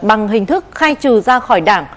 bằng hình thức khai trừ ra khỏi đảng